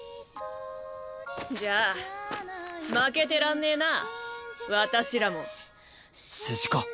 じゃあ負けてらんねぇな私らも。すじこ。